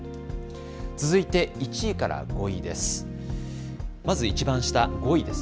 続いて１位から５位です。